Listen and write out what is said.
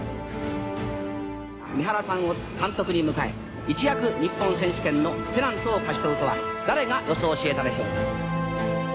「三原さんを監督に迎え一躍日本選手権のペナントを勝ち取るとは誰が予想しえたでしょうか」。